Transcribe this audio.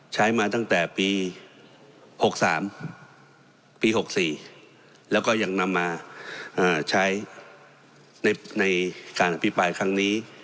ใช้มาตั้งแต่ปี๖๓ปี๖๔แล้วก็ยังนำมาใช้ในการอภิปรายครั้งนี้